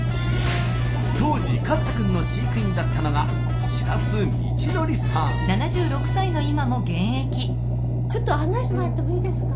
当時カッタ君の飼育員だったのがちょっと案内してもらってもいいですか？